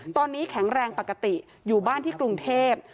ตอนนี้แข็งแรงปกติอยู่บ้านที่กรุงเทพ